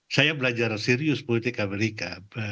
saya belajar serius politik amerika